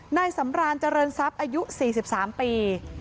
นายสำราญเจริญทรัพย์อายุ๔๓ปี